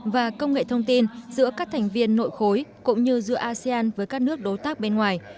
và công nghệ thông tin giữa các thành viên nội khối cũng như giữa asean với các nước đối tác bên ngoài